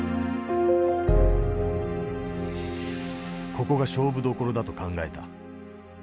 ここが勝負どころだと考えた。